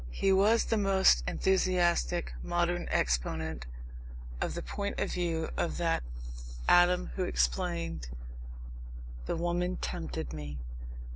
He was the most enthusiastic modern exponent of the point of view of that Adam who explained: "The woman tempted me."